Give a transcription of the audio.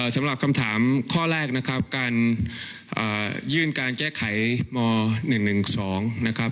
สำหรับคำถามข้อแรกนะครับการยื่นการแก้ไขม๑๑๒นะครับ